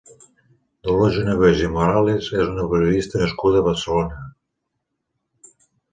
Dolors Genovès i Morales és una periodista nascuda a Barcelona.